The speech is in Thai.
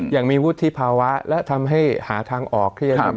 อย่างมีวุฒิภาวะและทำให้หาทางออก